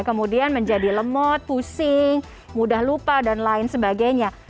kemudian menjadi lemot pusing mudah lupa dan lain sebagainya